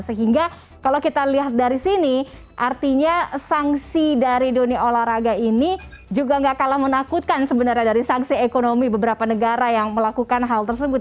sehingga kalau kita lihat dari sini artinya sanksi dari dunia olahraga ini juga gak kalah menakutkan sebenarnya dari sanksi ekonomi beberapa negara yang melakukan hal tersebut